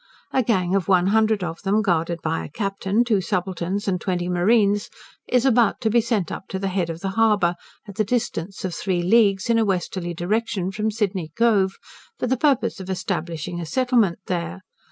A gang of one hundred of them, guarded by a captain, two subalterns and 20 marines, is about to be sent up to the head of the harbour, at the distance of 3 leagues, in a westerly direction, from Sydney Cove, for the purpose of establishing a settlement there.